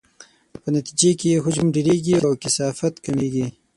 په نتیجې کې یې حجم ډیریږي او کثافت کمیږي.